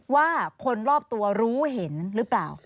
ว่าคนรอบตัวรู้เห็นหรือเปล่า